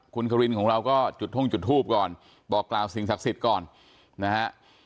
คุณครินของเราก็จุดท่องจุดทูปก่อนบอกกล่าวสิ่งศักดิ์สิทธิ์ก่อนนะฮะ